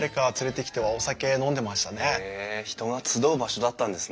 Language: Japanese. へえ人が集う場所だったんですね。